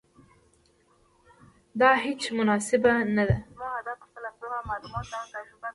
دا هیڅ مناسبه نه ده.